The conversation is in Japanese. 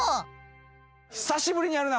久しぶりにやるな。